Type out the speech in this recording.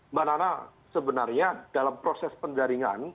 mbak nana sebenarnya dalam proses penjaringan